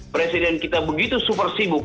presiden kita begitu super sibuk